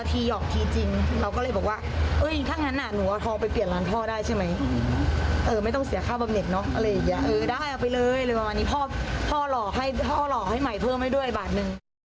พ่อหล่อให้ใหม่เพิ่มให้ด้วยประมาณนึง